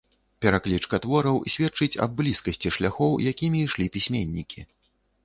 Пераклічка твораў сведчыць аб блізкасці шляхоў, якімі ішлі пісьменнікі.